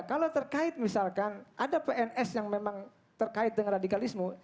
kalau terkait misalkan ada pns yang memang terkait dengan radikalisme